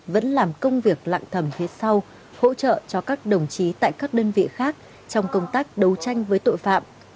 vẫn làm công việc lặng thầm phía sau hỗ trợ cho các đồng chí tại các đơn vị khác trong công tác đấu tranh với tội phạm